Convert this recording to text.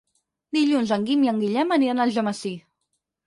Dilluns en Guim i en Guillem aniran a Algemesí.